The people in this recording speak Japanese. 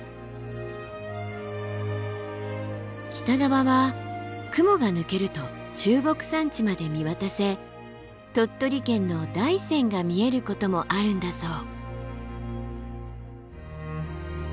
北側は雲が抜けると中国山地まで見渡せ鳥取県の大山が見えることもあるんだそう。